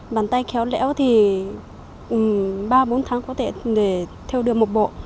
bàn tay khéo lẽo thì ba bốn tháng có thể để theo được một bộ